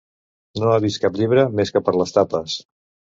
No ha vist cap llibre més que per les tapes.